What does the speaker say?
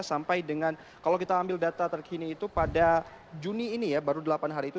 sampai dengan kalau kita ambil data terkini itu pada juni ini ya baru delapan hari itu